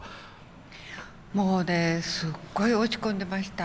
もうねすっごい落ち込んでました。